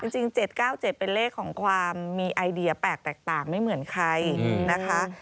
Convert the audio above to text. จริง๗๙๗เป็นเลขของความมีไอเดียแปลกแตกต่างไม่เหมือนใครนะคะ